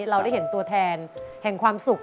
เราได้เห็นตัวแทนแห่งความสุข